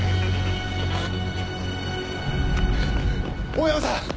大山さん！